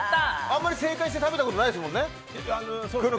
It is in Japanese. あまり正解して食べたことないですもんね。